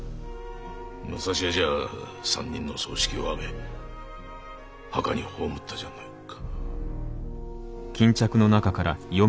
武蔵屋じゃ３人の葬式をあげ墓に葬ったじゃないか。